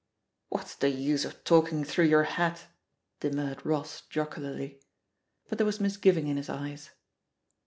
'^ "What's the use of talking through your hat?'* demurred Ross jocularly. But there was mis giving in his eyes.